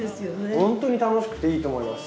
ホントに楽しくていいと思います。